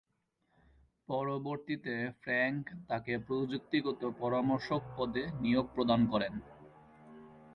পরবর্তীতে ফ্র্যাঙ্ক তাঁকে প্রযুক্তিগত পরামর্শক পদে নিয়োগ প্রদান করেন।